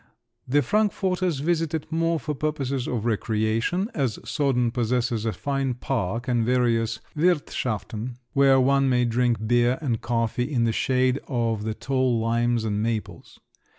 The Frankforters visit it more for purposes of recreation, as Soden possesses a fine park and various "wirthschaften," where one may drink beer and coffee in the shade of the tall limes and maples.